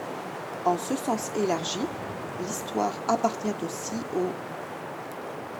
En ce sens élargi, l'histoire appartient aussi au '.